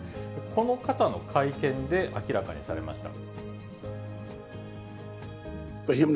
この方の会見で明らかにされました。